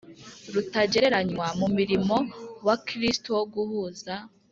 rutagereranywa mu murimo wa kristu wo guhuza